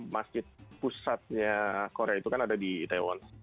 masjid pusatnya korea itu kan ada di itaewon